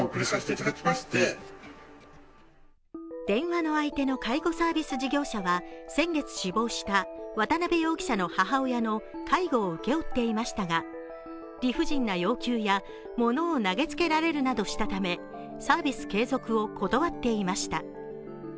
電話の相手の介護サービス事業者は先月死亡した渡辺容疑者の母親の介護を請け負っていましたが理不尽な要求やものを投げつけられるなどしたためサービス継続を断っていました。